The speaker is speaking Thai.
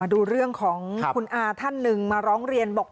ดูเรื่องของคุณอาท่านหนึ่งมาร้องเรียนบอก